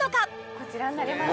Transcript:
こちらになります